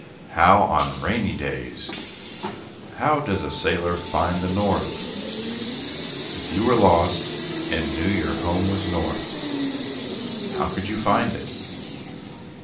How on rainy days? How does a sailor find the north? If you were lost and knew your home was north, how would you find it?